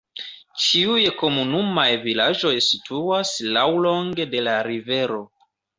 Ĉiuj komunumaj vilaĝoj situas laŭlonge de la rivero.